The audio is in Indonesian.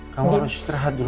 kamu harus terhad dulu